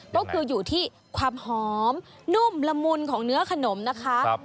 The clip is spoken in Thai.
ก็คืออยู่ที่ความหอมนุ่มละมุนของเนื้อขนมนะคะ